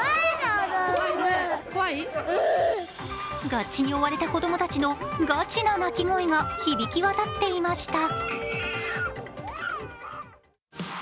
ガッチに追われた子供たちのガチな泣き声が響き渡っていました。